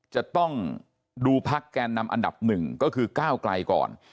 จะต้องดูพักแกนนำอันดับหนึ่งก็คือก้าวไกลก่อน